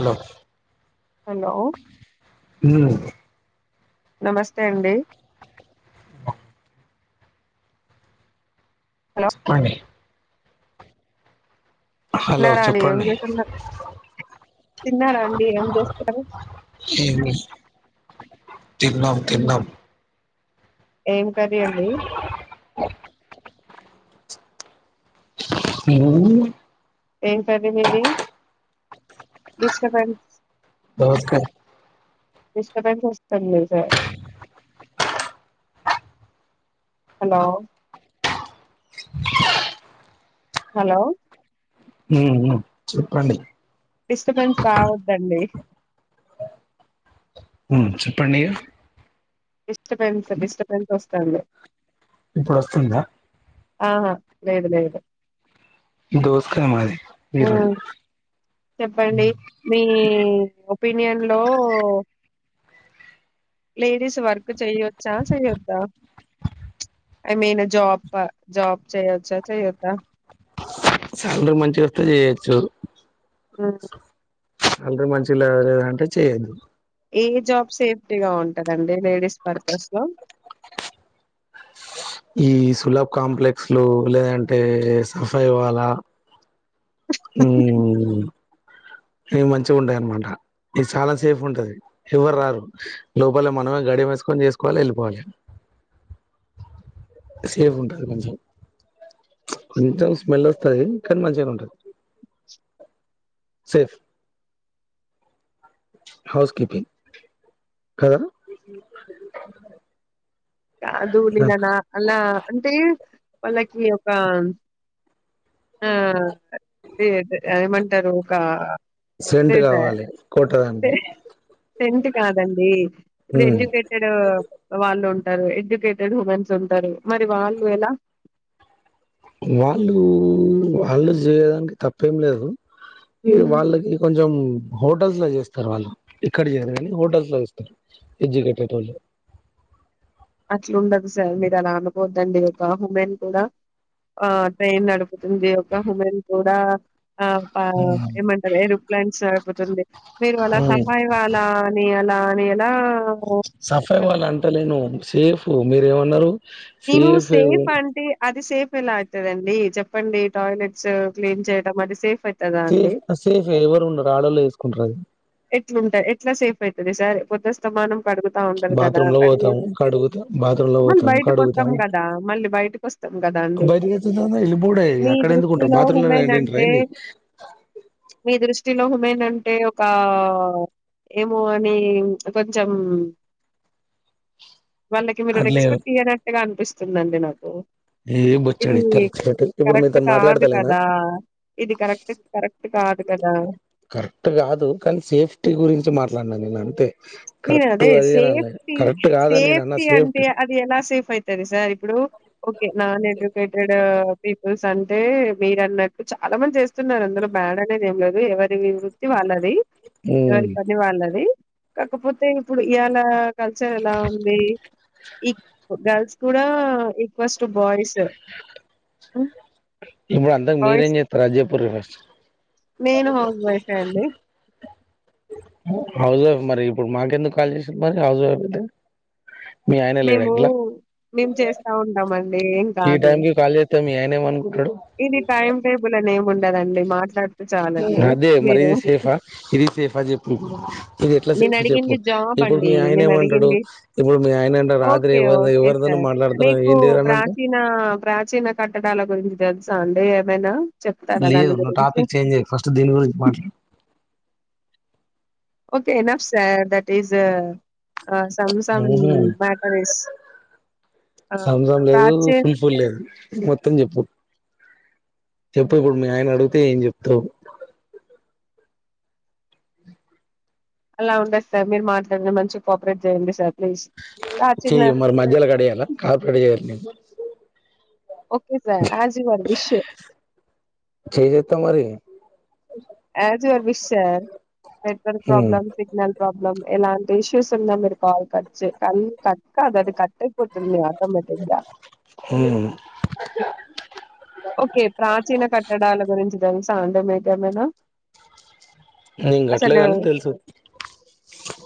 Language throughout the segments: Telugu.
హలో హలో ఉమ్ నమస్తే అండి హలో [inaudible] హలో తినరా అండి ఏం చెప్పండి చేస్తున్న తిన్నారా అండి ఏం చేస్తున్నారు తిన్నం తిన్- తిన్నం ఏం కర్రీ అండి మ్మ్ ఏం కర్రీ మీది డిస్టబెన్స్ నమస్కారం డిస్టబెన్స్ వస్తాంది తెలుసా హలో హలో ఉ ఉ చెప్పండి డిస్టబెన్స్ రావద్దండి మ్ చెప్పండి ఇగ చెప్పండి స డిస్టబెన్స్ వస్త్ సన్ డే ఇప్పుడు వస్తుందా ఆహా లేదు లేదు దోసకాయ మాది ఆ ఈరోజు చెప్పండి మీ ఒపీనియన్ లో లేడీస్ వర్క్ చేయొచ్చా చెయద్దా ఐ మీన్ జాబ్ జాబ్ చేయొచ్చా చెయొద్దా సాలరి మంచిగా వస్తే చేయచ్చు మ్మ్ సాలరీ మంచిగా లే లేదంటే చేయొద్దు ఏ జాబ్ సేఫ్టీ గా ఉంటదండి లేడీస్ పర్పస్ లో ఈ సులాబ్ కాంప్లెక్సులు లేదంటే సఫై వాళా హ్మ్మ్ ఇవి మంచిగా ఉంటాయి అనమాట ఇది చాలా సేఫ్ ఉంటది ఎవరు రారు లోపల మనమే గడియం వేసుకొని చేసుకోవాలి వెళ్ళిపోవాలి సేఫ్ ఉంటది కొంచెం కొంచెం స్మెల్ వస్తది కానీ మంచిగానే ఉంటది సేఫ్ హౌస్ కీపింగ్ కదా కాదు నిన్న నా అలా అంటే వాళ్ళకి ఒక అ ఆ దే అదే ఏమం తరూక సెంట్ కావాలి కొ సే సెంట్ కాదండి ఇప్పుడు ఉమ్ ఎడ్యుకేటెడ్ వాళ్ళు ఉం టరు ఎడ్యుకేటెడ్ హుమెన్స్ ఉంటారు మరి వాళ్ళు ఎలా వాళ్ళు వాళ్ళు చేయడానికి తప్పేం లేదు ఇగ హ్మ్. వాళ్ళకి కొంచం హోటల్స్ లో చేస్తారు వాళ్ళు ఇక్కడ చేయారు కానీ హోటల్స్ లో చేస్తారు ఎడ్యుకేటెడ్ వాళ్ళు అట్లుండదు సార్ మీరు అలా అనుకోవద్దండి ఒక ఉమెన్ కూడా ఆ ట్రైన్ నడుపుతుంది ఒక ఉ మెన్ కూడా ఆ ప ఏమంటారు ఏరోప్లేన్స్ నడుపుతుంది మీరు అలా సఫాయి వాలా అని అలా అని ఎలా సఫై వాళ్ళని- వాళ్ళ అంటలేను సేఫ్ మీరు ఏమన్నారు నేను సేఫ్ అండి అ ది సేఫ్ ఎలా అయితదండి చెప్పండి టాయిలెట్స్ క్లీన్ చేయడం అది సేఫ్ అయి సేఫ్ సేఫ్ ఎవరు ఉండరు ఆడోల్లే ఏసుకుంటారు అది ఎట్లుంటాయి ఎట్లా సేఫ్ అయితది సార్ పొద్దస్తమానం కడుగుతా ఉంటారు కదా బాత్రూమ్ లో పోతాము కడిగేసి కడుగుతాం బాత్రూమ్ లో బాత్రూమ్లో మళ్ళీ బోతాము బయటకు కడుగుతాం వస్తాం బాత్రూమ్లో కదా మళ్ళీ బయటకు వస్తాం కదా బోతాము కడుగుతాం అండి బయటి కి వచ్చినానా ఎల్లిపోడే మీ అక్కడ ఎందుకుంటారు దృష్టిలో బాత్రూంలోనే ఉమెన్ అంటారా అంటే ఏంటి ఉమేన్ అంటే ఇకా ఏమో అని కొంచెం వాళ్ళకి మీరు అట్లే రెస్పెక్ట్ ఇయ్యానట్టుగా అనిపిస్తుంది స్తుందండి నాకు ఏ ఇది బొచ్చెడు ఇత్తరు ఇచ్చినట్టు ఇప్పుడు కరెక్ట్ మీతోని కాదు మాట్లాడతలేనా? కదా ఇది కరెక్ట్ కరెక్ట్ కాద్ కదా కరెక్ట్ కాదు కానీ సేఫ్టీ గురించి మాట్లానా నేను అంతే నేను కరెక్ట్ అదే అది అని అనలే సేఫ్టీ కరెక్ట్ కాదని నేను అన్నా సేఫ్టీ అంటే అది ఎలా సేఫ్ అయితది సార్ ఇప్పుడు ఓకే నా నెగిటివ్ పెట్టడా పీపుల్స్ అండ్ టే మీరు అన్నట్టు చాలా మంది చేస్తున్నారు అందులో బ్యాడ్ అనేది ఏం లేదు ఎవరి వృత్తి వాళ్ళది హ్మ్. ఏవరి పని వాళ్ళది కాకపోతే ఇప్పుడు ఈయాల కల్చర్ ఎలా ఉంది ఈ గర్ల్స్ కూడా ఈక్వల్స్ టు బాయ్స్ హ్మ్. ఇప్పుడు అంతకు బాయ్స్ మీరేం జేత్తరు అది జెప్పుర్రి ఫస్ట్ నేను హౌస్ వైపే అండి హౌస్ వైఫ్ మరి ఇప్పుడు మాకెందుకు కాల్ చేసిండ్రు మరి హౌస్ వైఫ్ అయితే మీ ఆయన లేడా మేము ఇంట్ల? మేము చేస్తా ఉంటాం అండి ఏం కాదు తే మీ ఆయన ఏమను ఇది టైమ్ టేబుల్ అనే ఉన్ కదండి మా అదే మరి ఇది సేఫ్ ఆ ఇది సేఫ్ ఆ చెప్పు ఇది ఎట్లా నేను అడిగింది జాబ్ ఇప్పుడు అండి మీ ఆయన నేను ఏమంటాడు అడిగింది ఇప్పుడు మీ ఆయన అంటారు రాత్రి ఓకే ఎవరి ఓకే ఎవరితోనో సార్ మాట్లాడుతున్నారు మీకు ఏంటి అని అంటే ప్రాచీనా ప్రాచీన కట్టడాల గురిం తెలుసా అండి ఏమైనా చెప్తారా లేదు దాని నువ్వు గురించి టాపిక్ చేంజ్ చేయకు ఫస్ట్ దీని గురించి మాట్లా okay enough sir that is ah, some some ఉహు మ్యాటర్ ఇస్ సామ్‌సంగ్ లేదు, ప్రాచీన ఫుల్‌గా లేదు మొత్తం చెప్పు చెప్పు ఇప్పుడు మీ ఆయన అడుగితే ఏం చెప్తావ్ అలా ఉండదు సార్ మీరు మాట్లాడి మంచి కోఆపరేట్ చేయండి సార్ ప్లీజ్ ఆ చిన్న చెయ్య మరి మధ్యలో కడయాలా కార్పరడ చేయ్యాలి నేను స ఓకే సార్ ఆజవ విషయ చేసేస్తా మరి అ జర్ విశ్వార్ నెట్వర్క్ ఉమ్ ప్రాబ్లమ్ సిగ్నల్ బ్ల ఎలాంటి ఇష్యూస్ ఆ కట్ కల్ కట్ అ అ కట్ అయిపోతుంది ఆటోమేటిక్ గా ఉమ్ ఓకే ప్రాచీన కట్టడాల గురించి సాండమేతేమేనా నేను అసలు కట్టలేదని తెలుసు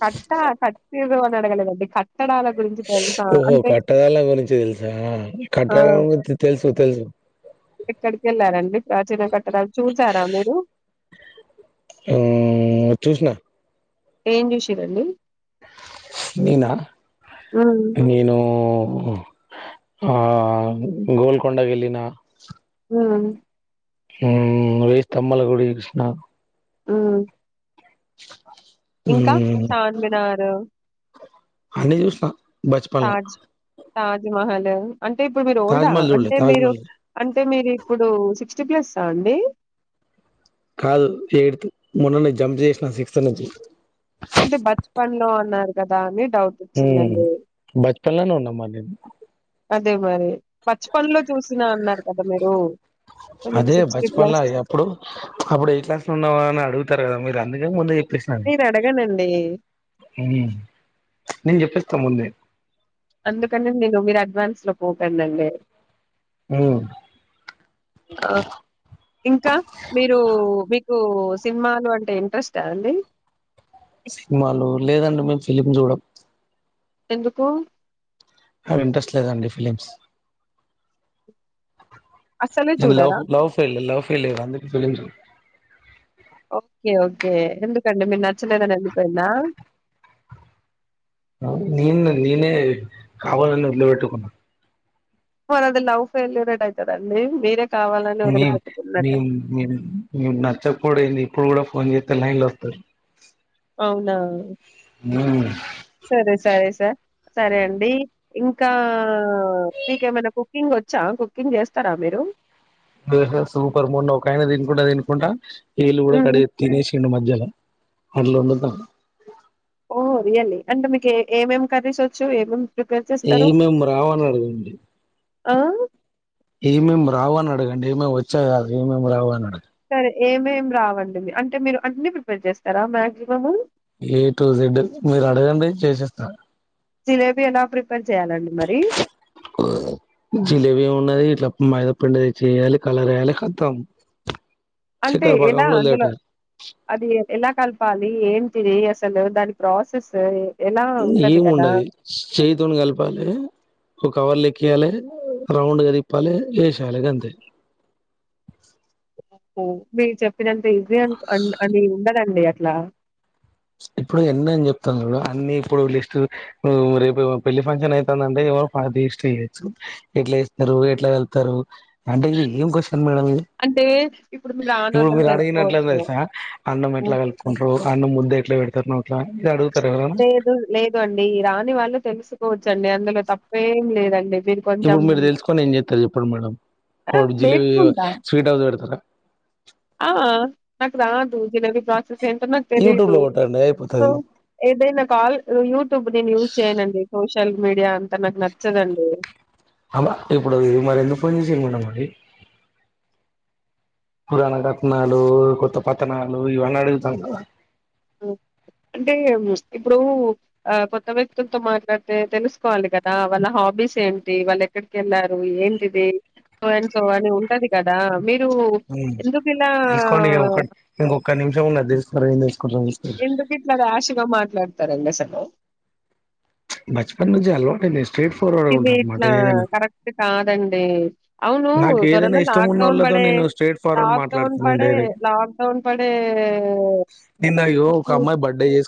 కట్టా కట్ ఇ వ అగలడి ఓహో కట్టదాల గురించి తెలుసా ఆ కట్టదాలం గురించి తెలుసు తెలుసు ఎక్కడికి వెళ్లారండి ప్రాచీన కట్టడాలు చూసారా మీరు చూసిన ఏం జూషిరలి ననా ఉమ్ నను ఆ గోల్కండగ ఎలినా ఆ రేష్ తమ్మల గుడి కృష్ణ ఆ ఇంకా చాన్మినారు అన్నిదిస బచ్పన్లా తాజమహల్ అంటే ఇప్పుడు మీరు ఓల్డా చూడలే అంటే మీరు తాజ్మహల్ అ అయితే మీరు ఇప్పుడు సిక్స్టీ ప్లస్ అండి కాదు ఎయిత్ మొన్న నే జంప్ చేసిన సిక్స్త్ నుంచి కే బచపనలో లో ఉన్నారు కదా అని డౌట్ వచ్చిందండి పక్కలోని ఉన్న మరి నేను అదే మరి బచ్‌పన్‌లో చూసినా అన్నారు కదా మీరు. సో, మీరు అదే బచపన్లో ప్లస్ ఎప్పుడు అప్పుడు ఏ క్లాస్ లో ఉన్నవా అని అడుగుతారు కదా మీరు ఎందుకే ముందు ప్పే నేను అడగనండి. నేను చెప్పేస్తా ముందే అందుకనే నేను మీరు అడ్వాన్స్ లో పోకంనండి ఉమ్, ఆ ఇంకా మీరు మీకు సినిమాలు అంటే ఇంట్రెస్ట్ అండి సినిమాలు లేదండి మేము ఫిలిమ్ చూడం ఎందుకు ఇంట్రెస్ట్ లేదండి ఫిలిమ్స్ అస్సలే నేను చూడరా? లవ్ లవ్ ఫెయిల్యూర్ అందుకు చూడను ఓకే ఓకే ఎందుకండి మీరు నచ్చలేదని వెళ్ళిపోయింద నేను నేనే కావాలని వదులు పెట్టుకున్న మది అదిలవ్ ఫెయిల్యూర్ ఎట్టా అయితది అండి మీరే కావాలని మేం వదిలిపెట్టుకున్నట్టే మేం నచ్చకపోడం ఏంది ఇప్పుడు కూడా ఫోన్ చేస్తే లైన్ లో వస్తాది అవునా ము సరే సరే సార్ సరే అండి ఇంకా మీకేమనా కుకింగ్ వచ్చా కుకింగ్ చేస్తారా మీరు సూపర్ మూన్ ఒకయనా తినుకుంటా తినుకుంటా ఏల్ కూడా కడ తినేసిండు మధ్యలో అలో ఉండద ఓ రియల్లీ అంటే మీకు ఏమేం కర్రీస్ వచ్చు ఏమేం ఏం ఏం రావని అడగండి ఆ ఏమేమి రావని అడగండి ఏమేమి వచ్చా కాదు ఏమేమి రావని అడగండి ఏమేమి రావండి అంటే మీరు అన్ని ప్రిపేర్ చేస్తారా మాక్సిమం ఏ టు జెడ్ మీరు అడగండి చెచేస్త జిలేబీ ఎలా ప్రీ జిలేబీ ఏ ఉన్నది ఇట్లా మైదా పిండి చేయాలి కలర్ వేయాలి ఖతం అంటే ఎలా అందులో అది ఎలా కలపాలి ఏం ది అసలు దాని ప్రాసెస్ ఎలా ఉంటది ఏం కదా ఉండదు చేతోని కలపాలి ఒక కవర్ క్ పక్కలే రౌండ్ గా తెప్పలీ ఏషాల గంతే బే చెప్ప ఇదంతా ఈజీ అని ఉండ్ ఉండదండి ల ఇప్పుడు ఎన్ని అని చెప్తాను అన్ని ఇప్పుడు లిస్ట్ రేపు పెళ్లి ఫంక్షన్ ఐతాందంటే ఇవాళ లిస్ట్ యెయ్యొచ్చు ఎట్లేస్తరు ఎట్లా వెళ్తారు అంటే ఇది ఏం కొష్ [unintelligible] మేడం ఇది అంటే ఇప్పుడు మేము ఇప్పుడు రానోళ్ళం మీరు అడిగినట్లుంది తెలుసుకోవచ్చు. తెలుసా అన్నం ఎట్లా హ్మ్. కలుపుకుంటారు అన్నుం ముద్దే ట్లే పెడతారుట్లాడు నోట్లో ఇదడు లేదు లేదు అండి రాని వాళ్ళు తెలుసుకో చ్చండి అందులో తప్పేం లేదండి మీరు కొంచెం ఇప్పుడు మీరు తెలుసుకొని ఏం చేస్తారు చెప్పండి మేడం ఆ [unintelligible] జిలేబీ నేర్చుకుంటా స్వీట్ హౌస్ పెడతారా ఆ నాకు రాదు జి [unintelligible] ఏంటో మ యూట్యూబ్ తెలీదు లో కొట్టండి సో అయిపోతది ఏదైనా కాల్ యూట్యూబ్ నేను యూస్ చేయనండి సో షల్ మీడియా అంటే నాకు నచ్చదండి అమ ఇప్పుడు ఇది మరి ఎందుకు ఫోన్ చెసిర్రు మేడం మరి పురాణ కథనాలు కొత్త పతనాలు ఇవన్నీ అడుగుతారు కదా అంటే ఇప్పుడు ఆ కొత్త వ్యక్తులతో మాట్లాడితే తెలుసుకోవాలి కదా వాళ్ళ హాబీస్ ఏంటి వాళ్ళు ఎక్కడికెళ్ళారు ఏంటిది సో అం సో అని ఉంటది కదా మీ ఉమ్ తెలుసుకోండి ఇగ ఒక ఇంకొక్క నిమిషం ఉన్నది అది తెలుసుకోండి ముందు ఎందుకు ఇట్లా రాష్గా మాట్లాడు తరంగ సప్ ఆ బచపన్ నుండి అలవాటు [unintelligible] ఇవి ఉంటా అనమాట ఇట్లా ఏదైనా కరెక్ట్ కాదండి అవును నాకు ఏదైనా త్వరలో ఇష్టం లాక్ డౌన్ ఉన్నోళ్ళతో పడె నేను స్ట్రేట్ ఫార్వర్డ్ లాక్ డౌన్ మాట్లాడతాను నేను పడె డైరెక్ట్ లాక్ డౌన్ పడే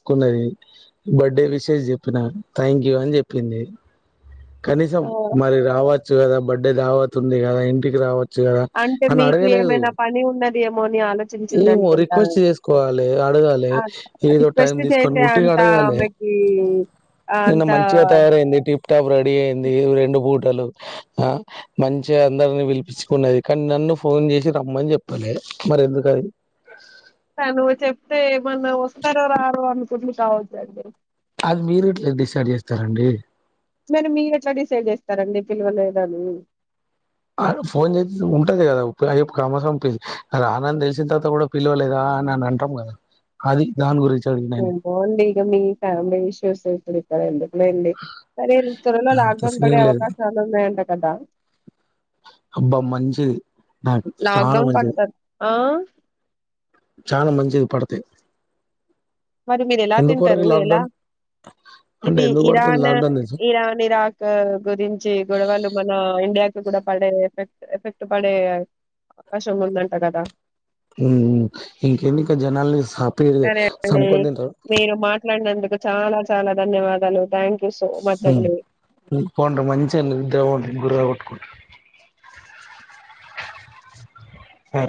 కున్నది బర్డే విషేస్ చెప్పిన థ్యాంక్ యూ అని చెప్పింది కనీసం ఆహ్, మరి రావ చ్చు గదా బడ్డే దావత్ ఉంది కదా ఇంటికి రావ అంటే మీకు ఏమైనా పని ఉందని ఏమో రిక్వెస్ట్ చేసుకోవాలి అడగాలి ఆ! ఏదో టైం రిక్వెస్ట్ తీసుకొని చేసే ఉట్టిగా అంత అడగాలి ఆమెకి నిన్న అంత మంచిగా తయారయింది టిప్ టాప్ రెడీ అయింది రెండు బూ టలు మంచిగా అందరిని పిలిపిచ్చుకున్నది కానీ నన్ను ఫోన్ చేసి రమ్మని చెప్పలె మరి ఎందు [unintelligible] తను చెప్తే ఏమన్నా వస్తారో రారో అనుకుంది కావచ్చండి అది మీరు ఇట్లా డిసైడ్ చేస్తారండి మీరు మీరు ఎట్లా డిసైడ్ చేస్తారండి పిల్వలేదని ఆమె ఫోన్ చేసి ఉంటది కదా [unintelligible] ఆ మాత్రం రానని తెలిసిన తర్వాత కూడా పిలవలేదా అని అనంటాం కదా అది దాని గురించి అడిగిన ఇం పోండి ఇక మీ ఫ్యామిలీ ఇష్యూస్ ఇప్పుడు సరే అండి లేండి అదేండి త్వరలో అంత లాక్ డౌన్ పడే సీన్ లేదు అవకాశాలు ఉన్నాయంట కదా అబ్బా మంచిది నాకు చాలా లాక్‌డౌన్ మంచిది పడతారు. ఆ! చాలా మంచిది పడితే మరి మీరు ఎలా తింటారు ఎలా అంటే ఇది ఎందుకు పడుతుంది ఇరాన్ లాక్డౌన్ తెలుసా ఇరాన్ ఇరాక్ గురించి గొడవలు మన ఇండియాకి కూడా పడే ఎఫెక్ట్ ఎఫెక్ట్ పడే అవకాశం ఉందంట కదా ఉ ఇంకెన్నికా జనాాల సాపి అంటే మీరు మాట్లాడినందు చాలా చాలా ధన్యవాదాలు థ్యాంక్ యూ సో మచ్ అండి పోండ్రి మంచిషిని ఇద్దం గురు ఉట్కుంట ఆ